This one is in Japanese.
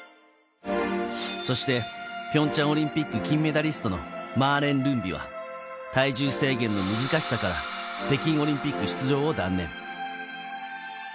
そして、ピョンチャンオリンピック金メダリストのマーレン・ルンビは体重制限の難しさから北京オリンピック出場を断念。